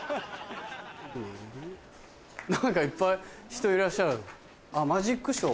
何かいっぱい人いらっしゃる。